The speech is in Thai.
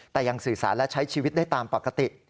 แต่ยังสื่อสารและใช้ชีวิตได้ตามปกติ